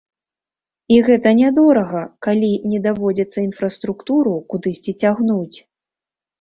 І гэта нядорага, калі не даводзіцца інфраструктуру кудысьці цягнуць.